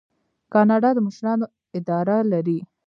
کاناډا د مشرانو اداره لري.